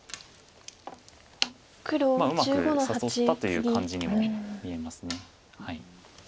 うまく誘ったという感じにも見えます。